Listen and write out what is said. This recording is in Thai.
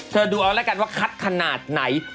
ดูเอาแล้วกันว่าคัดขนาดไหน